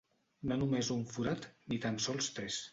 No només un forat, ni tan sols tres.